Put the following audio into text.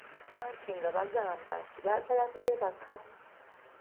Anti nga bagamba nti baagala kwebaka.